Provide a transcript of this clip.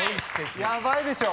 やばいでしょ？